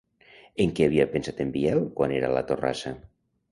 En què havia pensat en Biel quan era a la torrassa?